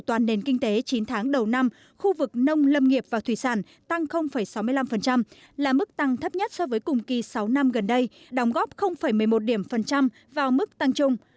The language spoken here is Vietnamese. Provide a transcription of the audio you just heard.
đồng góp trong mức tăng chín tháng đầu năm khu vực nông lâm nghiệp và thủy sản tăng sáu mươi năm là mức tăng thấp nhất so với cùng kỳ sáu năm gần đây đồng góp một mươi một điểm phần trăm vào mức tăng chung